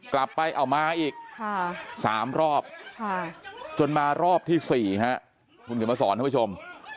กลับมาเอามาอีก๓รอบจนมารอบที่๔คุณเขียนมาสอนท่านผู้ชม